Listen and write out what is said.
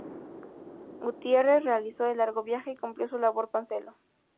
Gutierre realizó el largo viaje y cumplió su labor con celo.